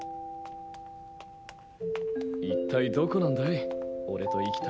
一体どこなんだい？